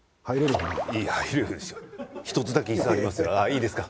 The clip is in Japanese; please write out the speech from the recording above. いいですか？